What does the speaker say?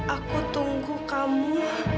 aku tunggu kamu